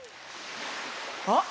あっ！